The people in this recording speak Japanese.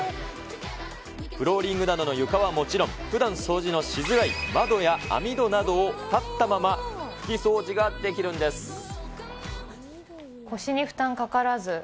フローリングなどの床はもちろん、ふだん掃除のしづらい窓や網戸などを立ったまま拭き掃除ができる腰に負担かからず。